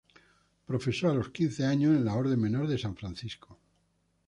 Profesó a los quince años en la Orden menor de San Francisco.